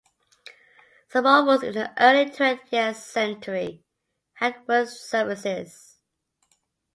Some ovals in the early twentieth century had wood surfaces.